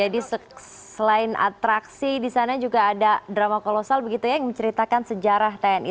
dan atraksi disana juga ada drama kolosal begitu ya yang menceritakan sejarah tni